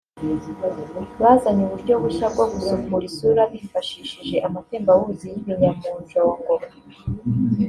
bazanye uburyo bushya bwo gusukura isura bifashishije amatembabuzi y’ibinyamujongo